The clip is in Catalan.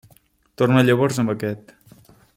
Torna llavors amb aquest.